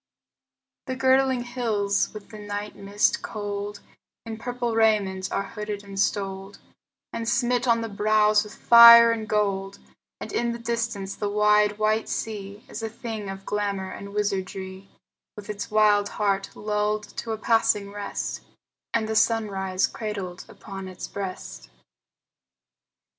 The girdling hills with the night mist cold In purple raiment are hooded and stoled And smit on the brows with fire and gold; And in the distance the wide, white sea Is a thing of glamor and wizardry, With its wild heart lulled to a passing rest, And the sunrise cradled upon its breast.